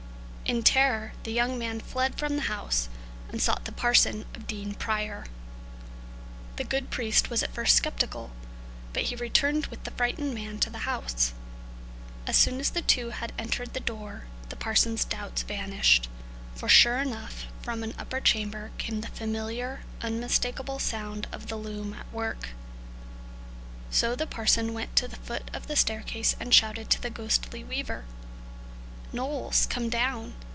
In terror the young man fled from the house, and sought the parson of Dean Prior. The good priest was at first sceptical, but he returned with the frightened man to the house. As soon as the two had entered the door the parson's doubts vanished, for sure enough, from an upper chamber, came the familiar, unmistakable sound of the loom at work. So the parson went to the foot of the staircase and shouted to the ghostly weaver: "Knowles, come down!